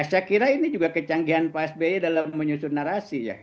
saya kira ini juga kecanggihan pak sby dalam menyusun narasi ya